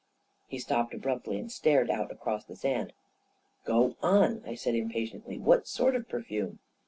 He stopped abruptly and stared out across the sand. II Go on," I said impatiently. " What sort of perfume